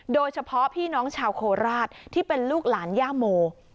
โดยเฉพาะพี่น้องชาวโคราชที่เป็นลูกหลานย่าโม